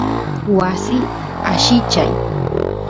wasi allichay